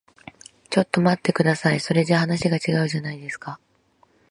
ちょっと待ってください。それじゃ話が違うじゃないですか。